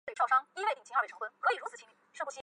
该湖的沉积物主要是芒硝。